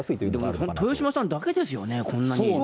でも豊島さんだけですよね、こんなに。